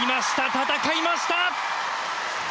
戦いました！